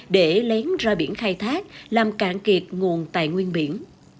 để lén ra biển khai thác làm cạn kiệt nguồn tài nguyên biển